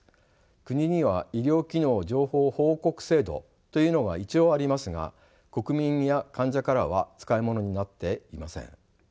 国には医療機能情報報告制度というのが一応ありますが国民や患者からは使い物になっていません。